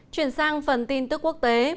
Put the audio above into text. chuyển sang phần tin tức quốc tế